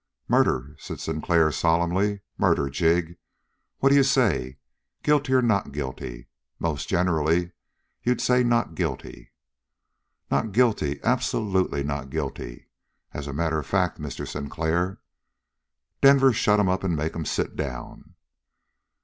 "Murder!" said Sinclair solemnly. "Murder, Jig! What d'you say, guilty or not guilty! Most generally, you'd say not guilty." "Not guilty absolutely not guilty. As a matter of fact, Mr. Sinclair " "Denver, shut him up and make him sit down."